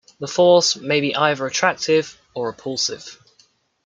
The force may be either attractive or repulsive.